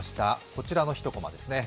こちらの１コマですね。